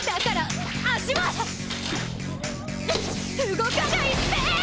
動かないって！